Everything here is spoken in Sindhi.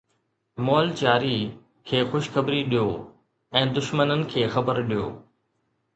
مئل چاري کي خوشخبري ڏيو ۽ دشمنن کي خبر ڏيو